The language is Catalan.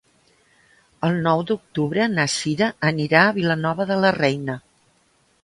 El nou d'octubre na Sira anirà a Vilanova de la Reina.